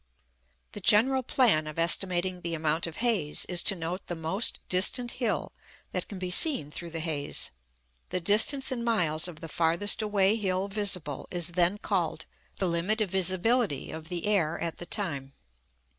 The general plan of estimating the amount of haze is to note the most distant hill that can be seen through the haze. The distance in miles of the farthest away hill visible is then called "the limit of visibility" of the air at the time.